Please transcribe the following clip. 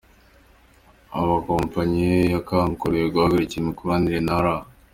Amakompanyi yakanguriwe guhagarika imikoranire na R.